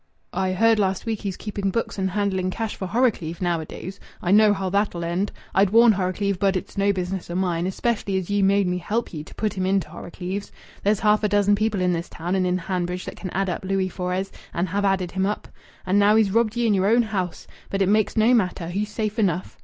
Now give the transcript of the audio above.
"I heard last week he's keeping books and handling cash for Horrocleave nowadays. I know how that'll end! I'd warn Horrocleave, but it's no business o' mine, especially as ye made me help ye to put him into Horrocleave's.... There's half a dozen people in this town and in Hanbridge that can add up Louis Fores, and have added him up! And now he's robbed ye in yer own house. But it makes no matter. He's safe enough!"